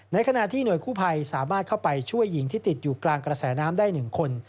ในขณะที่หน่วยกู้ภัยสามารถเข้าไปช่วยหญิงที่ติดอยู่กลางกระแสน้ำได้๑คน